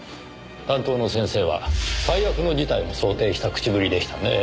担当の先生は最悪の事態も想定した口ぶりでしたねぇ。